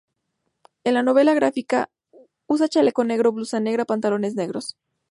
En la novela gráfica usa chaleco negro, blusa negra, pantalones negros.